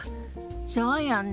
そうよね。